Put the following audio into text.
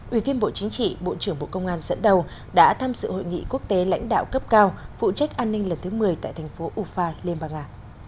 ủy viên bộ chính trị bộ trưởng bộ công an dẫn đầu đã tham dự hội nghị quốc tế lãnh đạo cấp cao phụ trách an ninh lần thứ một mươi tại thành phố ufa liên bang nga